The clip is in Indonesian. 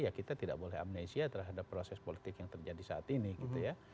ya kita tidak boleh amnesia terhadap proses politik yang terjadi saat ini gitu ya